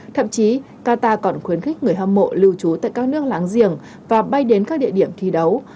thậm chí qatar còn khuyến khích người hâm mộ lưu trú tại các nước láng giềng và bay đến các địa điểm thi đấu